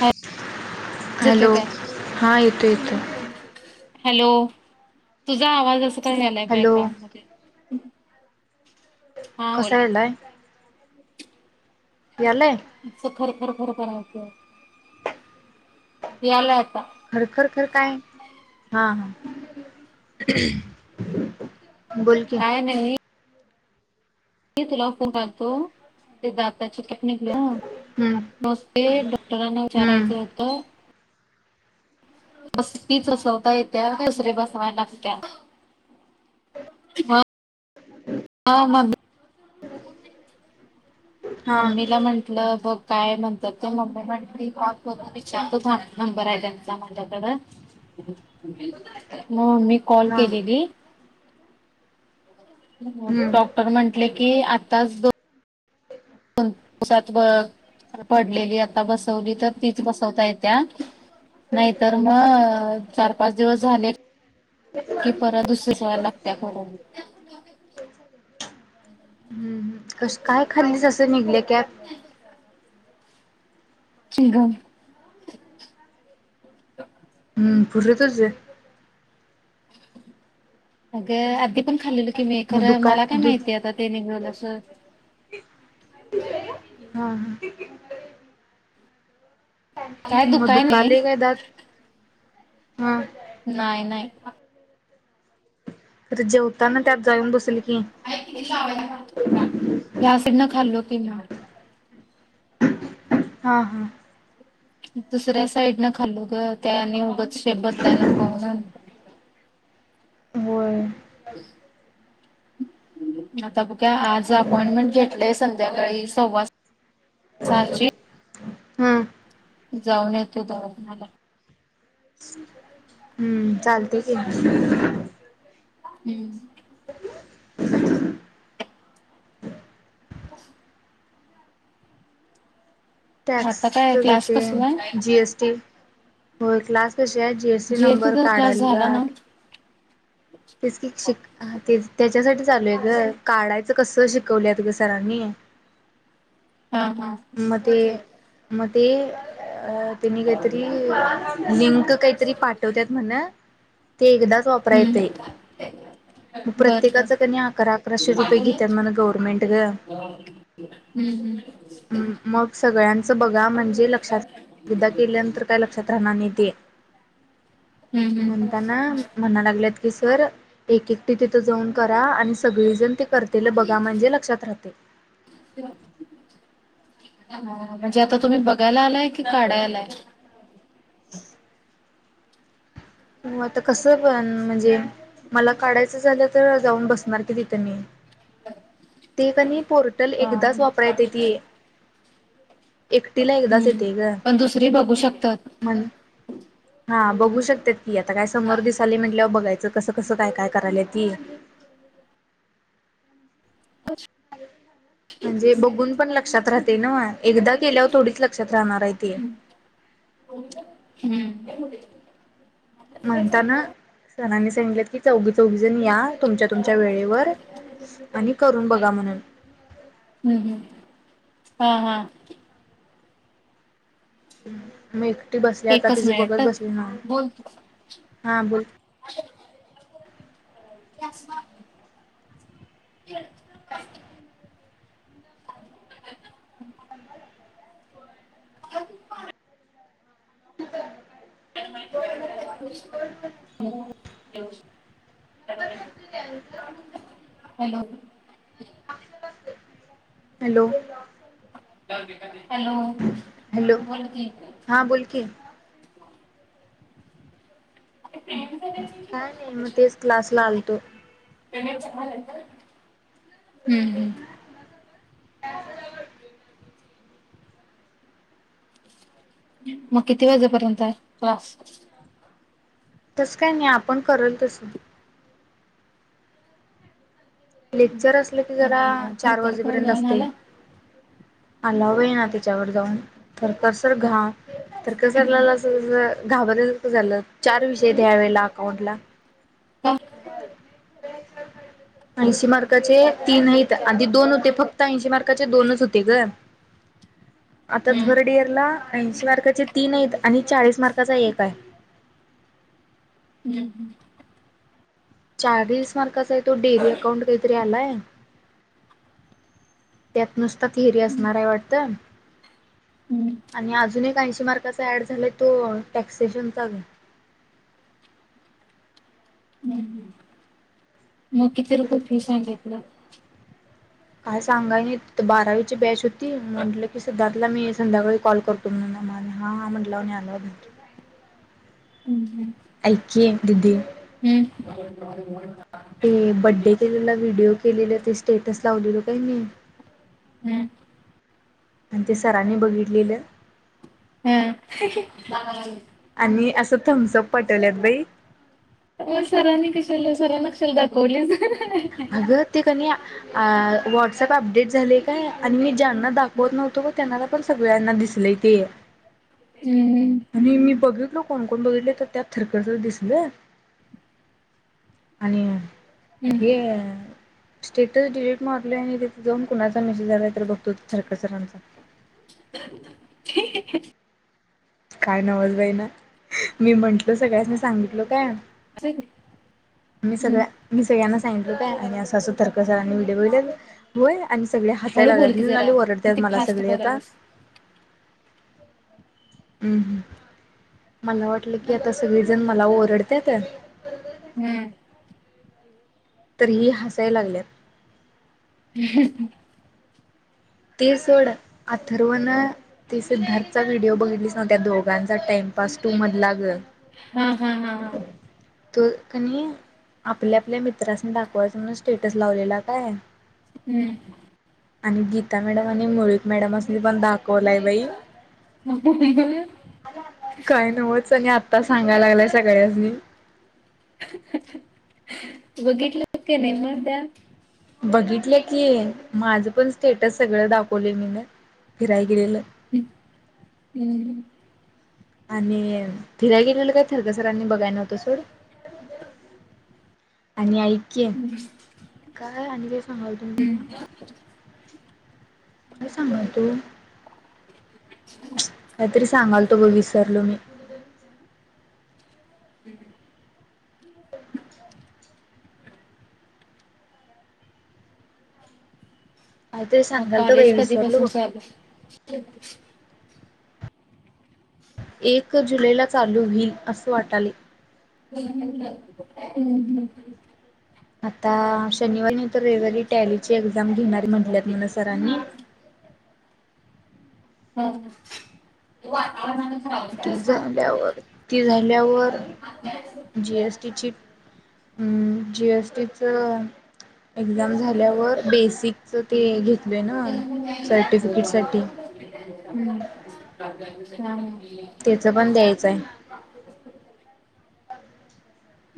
आवाज येतोय हॅलो काय? हा येतो येतो. हॅलो तुझा आवाज अस काय आलाय हॅलो बॅकग्राउंड मध्ये. हा बोल कसायलाय. याले. खरं खरं खरं खरायच. यालय आता खर खर खर काय हा हा बोल कि. म तुला फोन करतो ते ज त्याची टॅकनिकली हम्म नस्ते डॉक्टरांना विचारायचं हम्म होतं. बस तीच बसवता येत्या दुसरे बसवाय लागत्या. ह ह म हा मम्मीला म्हंटलं बघ. काय म्हणतात ते, मम्मी म्हटली थांब विचारतोच नंबर आहे त्यांचा माझ्याकडं. मग मी कॉल हा केलेली. हम्म डॉक्टर म्हटले की आताच दोन दिवसात बघ. पडलेली आता बसवली तर तीच बसवता येत्या. नाहीतर मग चार पाच दिवस झाले. की परत दुसर्या सवय लागत्या खून. हम्म क काय खाल्लीच असं निघले कप. चिंघम. हम् फुर तुज. अगं आधी पण खाल्लेल की मी मग खरं दुका मला काय दु माहितीय आता ते निघल अस. हा ह काय मग दुखाय नाही. दुखाले काय दात हा. नाही नाही. अरे जेवताना. त्यात जाऊन बसल की ह्या साईड न खाल्लो की म हा हा दुसऱ्या साईड न खाल्लो त्या आणि उगं शेंबद नाही ना पाहून [unintelligible] होय. आता बघ आज अपॉइंटमेंट घेतलंय संध्याकाळी सव्वा सहाची हम्म जाऊन येतो दवाखान्याला. हम्म चालते कि, हं [unintelligible] आता काय टॅक्सचं ग क्लास ते कसला आहे? जी एस टी होय क्लास तसया जी एस टी नंबर जीएसटीचा क्लास काढयला झाला ना? तेच की शिक हा त्याच्यासाठी चालूय ग काढायचं कसं शिकवल्यात ग सरांनी हा हा. म ते म ते अ त्यांनी काहीतरी लिंक काहीतरी पाठवत्यात म्हण ते एकदाच वापरा येतय. हम्म म बर बर. प्रत्येकाच कनय अकरा अकराशे रुपये घेत्यात म्हण गव्हर्मेंट ग हूं हूं हं मग सगळ्यांचं बघा म्हणजे लक्षात विदा केल्यानंतर काय लक्षात राहणार नही ते हम्म हम्म. म्हणताना म्हणा लागल्यात की सर एक एकटी तिथं जाऊन करा आणि सगळीजण ते करतेल बघा म्हणजे लक्षात राहतय. [unintelligible] म्हणजे आता तुम्ही बघायला आलाय कि काढाय आलाय. [unintelligible] म आता कसं पण म्हणजे मला काढायचं झालं तर जाऊन बसणार की तिथं मी ते कणी पोर्टल हा एकदाच वापरात येतीय. एकटीला एकदाच हम्म. येतेय ग पण दुसरी बघू शकतात. म्हण हा बघू शकत्यात की आता काय समोर दिसाले म्हटल्यावर बघायचं. कस कस काय काय करायलाय ती म्हणजे बघून पण लक्षात राहतय नव्ह एकदा केल्यावर थोडीच लक्षात राहणार आहे ते. ह् हम्म म्हणतान सरानी सांगलेत की चौघी चौघी जणी या तुमच्या तुमच्या वेळेवर आणि करून बघा म्हणून हूं हूं हा हा [unintelligible] ती बसली आता एकच तिज मिनिट बघत हं. बसली ना बोल तू. हा बोल [unintelligible] [unintelligible] [unintelligible] [unintelligible] [unintelligible] [unintelligible] [unintelligible] हॅलो, हॅलो, हॅलो हॅलो बोल की, हां बोल की काय नाही मग तेच क्लास ला आलतो. हूं हूं म किती वाजेपर्यंत हाय क्लास? तसं काय नाही आपण करेल तसं. लेक्चर असलं की जरा आणि चार थरथरकडं वाजेपर्यंत जाऊन असतंय. आला? आलाव आहे ना. तिच्यावर जाऊन तर कसर घाव तरकसरलास घाबरयलच झालं चार विषय द्यावेेला अकाउंट ला. हम. ऐंशी मार्काचे तीन हाईत. आधी दोन होते फक्त ऐंशी मार्काचे दोनच होते ग. आता हम्म थर्ड ईयरला ऐंशी मार्काचे तीन आहेत. आणि चाळीस मार्काचा एक आहे. हम्म हम्म चाळीस मार्कांचा तो डेअरी अकाउंट काहीतरी आलाय. त्यात नुसता थिरी असणार आहे वाटतं. हम्म. आणि अजून एक ऐंशी मार्काचा ऍड झालाय तो टॅक्सशन चाल [inaudible] मग किती रुपये फी सांगि तलं? काय सांगाय नाही तीत बारावीची बॅच होती, म्हटलं की सिद्धार्थला मी संध्याकाळी कॉल करतो. [unintelligible] ह हा म्हणला आणि आलाज नहीं. हम्म हम्म. ऐके दिदी. हम्म [unintelligible] ते बड्डे केलेलं व्हिडिओ केलेलं ते स्टेटस लावलेलं. काही नाही. हम्म, आणि ते सरांनी बघितलेलं. हा [unintelligible] आणि असं थम्सअप पा टवल्यात बाई. सरांने कशाला सर नक्षा दाखवल्या ना. अगं ते कण्या अं व्हॉट्सअप अपडेट झाले काय, आणि मी ज्यांना दाखवत नव्हतो ग त्यांनाला पण सगळ्यांना दिसले. नाही ते हम्म बघितल कोण कोण बघितले तर त्यात थरखरस दिसलं. आणि हम्म. हे स्टेटस डिलीट मारले आणि तिथे जाऊन कुणाचा मेसेज आलाय तर बघतो थरक सरांचा. [inaudible] काय नवल बाई ना. मी म्हटल, सगळ्यांसनी सांगितलं काय? असं का? मी हम्म. सगळ्या मी सगळ्यांना [unintelligible] आणि असंतर्क सांनी व्हिडिओ ब आणि सगळे हळू हसायला बोल लागल्यात. की म्रीणाली जरा ओरडत्यात किती मला फास्ट सगळे आता. बोलायलास हम्म हम् मला वाटलं की आता सगळेजण मला ओरडत्यात. हम्म. तरही हसाय लागल्यात. ती सोड, अथर्व ना ती सिद्धार्थचा व्हिडिओ बघितलीच नव्हत. त्या दोघांचा टाइम पास टू म्हणला ग. हम् हम हम. तो कणी आपल्या आपल्या मित्रांसनी दाखवायचं म्हणून स्टेटस लावलेला काय? हम्म. आणि गीता मॅडम आणि मुळीक मॅडमासनी पण दाखवलाय बाई. नुपूर त्या जेवलेत? काही नवच आणि आत्ता सांगायला लागलाय सगळ्यास्नी. बघितलं होते नाही मद्या बघितलं की. माझं पण स्टेटस सगळं दाखवले मी ना. फिराय गेलेलं. हम्. आणि फिराय गेलेलं काय थरकसरांनी बघाय नव्हतं सोड आणि ऐक की काय आणि काय सांगलतो तुला काय सांगलतो काहीतरी सांगलतो बघ विसरलो मी काहीतरी मग सांगालतो बाई कॉलेज कधीपसून विसरलो बघ चालू आहे एक जुलैला चालू होईल असे वाटलय आता शनिवारी नाही तर रविवारी टॅली ची एक्झाम घेणारी म्हटल्यात म्हणा सरांनी आवाज नाही ऐकू येत ती झाल्यावर ती झाल्यावर जीएसटीची हम् जीएसटीच एक्झाम झाल्यावर बेसिकच ते घेतलय ना सर्टिफिकेटसाठी हम् त्याच पण द्यायचं आहे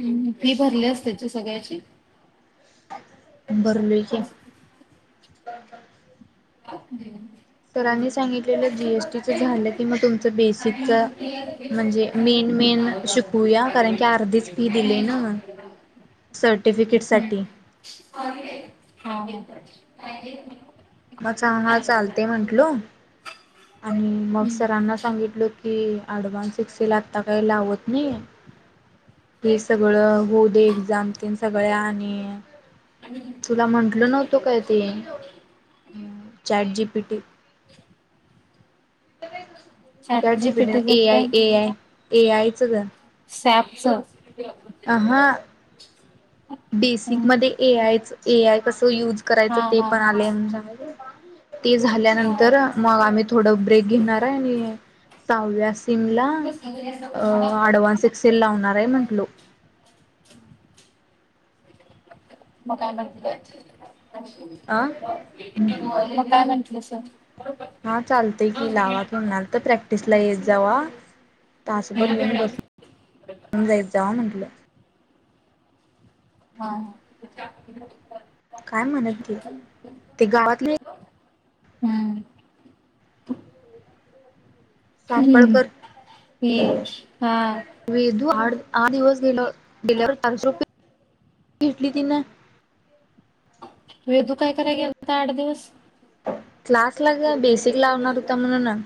हम् फी भरली अस त्याची सगळ्याची हम भरलोय की सरांनी सांगितलेलं जीएसटीच झालं कि म तुमचं बेसिकच म्हणजे मेन मेन शिकूया कारण की अर्धीच फी दिले ना मग हम्म. सर्टिफिकेटसाठी आवाज नीट ऐकू येत नाही मग चांगा चालते म्हंटलो आणि मग हम्म. सरांना सांगितलं की अडवानस एक्सेल आता काही लावत नाही हे सगळं होऊ दे एक्झाम तन सगळ्या आणि तुला म्हंटल नव्हतं काय ते चॅट जीपीटी चॅट जीपीटी जीपीटीचं ए आय काय ए आय ए आयच ग सॅप आहा बेसिक हम्म मध्ये ए आयच ए आय कसं युज हा करायचं ते हा पण हा आलंय आता ते हा झाल्यानंतर मग आम्ही थोडं ब्रेक घेणार आहे आणि सहाव्यास [unintelligible] अडवान्स एक्सेल लावणार आहे. म्हंटलो. मग काय म्हटलं? अ [unintelligible] मग काय म्हटलं स.? हा चालतयं की, लावा कुणाल तर प्रॅक्टिस ला येत जावा. तासभर येऊन बसून जाईत जावा म्हटलं. हा ह. [unintelligible] काय म्हणत? [unintelligible] ते गावातले हम्म! हम्म सापडकर [unintelligible] हा. वेदू आठ आठ दिवस गेलो, गेल्यावर चारशे रुपये घेतली तिनं. वेदु काय कराय गेलता? आठ दिवस. क्लास ला ग बेसिक लावणार होता, म्हणून ना